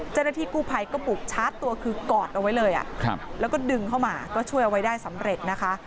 เจ้าหน้าที่กู้ภัยก็บุกชาร์จตัวคือกอดเอาไว้เลยแล้วก็ดึงเข้ามาก็ช่วยเอาไว้ได้สำเร็จนะคะ